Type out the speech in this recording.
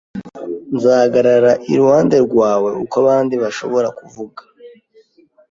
Nzahagarara iruhande rwawe uko abandi bashobora kuvuga